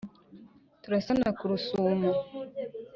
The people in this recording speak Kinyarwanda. turasana ku rusumo